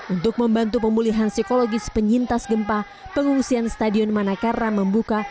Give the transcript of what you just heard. untuk membantu pemulihan psikologis penyintas gempa pengungsian stadion manakara membuka